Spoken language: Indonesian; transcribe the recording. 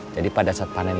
jadi pada saat panen nanti